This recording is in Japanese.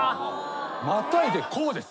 またいでこうです。